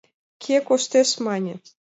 «Кӧ коштеш?» — мане.